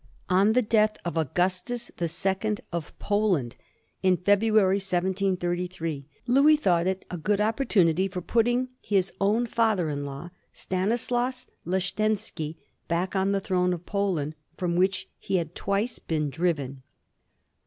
On the death of Augustus the Second of Poland, in February, 1733, Louis thought it a good opportunity for putting his own father in law, Stanislaus Leszczynski, back on the throne of Poland, from which he had twice been driven.